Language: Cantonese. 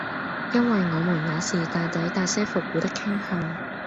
因爲我們那時大抵帶些復古的傾向，